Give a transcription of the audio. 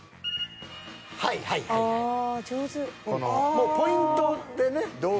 もうポイントでね。